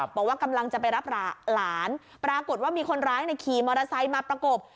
บอกว่ากำลังจะไปรับหลานปรากฏว่ามีคนร้ายขี่มอเตอร์ไซค์มาประกบ